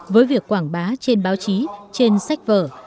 với việc quảng bá trên báo chí trên sách vở